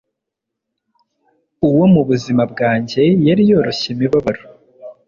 uwo mubuzima bwanjye yari yoroshye imibabaro